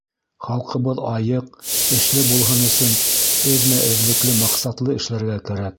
Халҡыбыҙ айыҡ, эшле булһын өсөн эҙмә-эҙлекле, маҡсатлы эшләргә кәрәк.